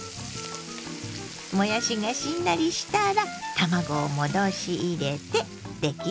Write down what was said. もやしがしんなりしたら卵を戻し入れて出来上がり。